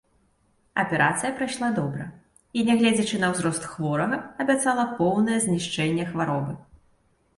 Аперацыя прайшла добра і, нягледзячы на ўзрост хворага, абяцала поўнае знішчэнне хваробы.